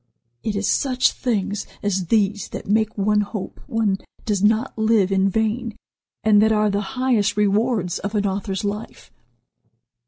It is such things as these that make one hope one does not live in vain, and that are the highest rewards of an author's life."